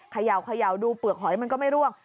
เขย่าดูเปลือกหอยมันก็ไม่ร่วง